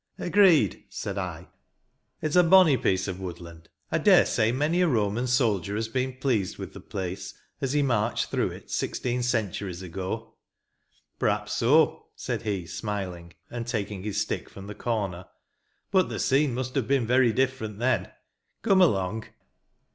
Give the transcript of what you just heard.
" Agreed," said I. It's a bonny piece of woodland. I daresay many a Roman soldier has been pleased with the place, as he marched through it, sixteen centuries ago." "Perhaps so," said he, smiling, and taking his stick from the corner ;" but the scene must have been very different then. Come along."